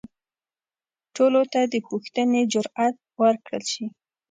ټولو ته د پوښتنې جرئت ورکړل شي.